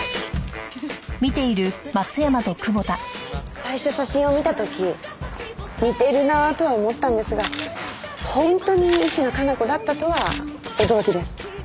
最初写真を見た時似てるなとは思ったんですが本当に石野香奈子だったとは驚きです。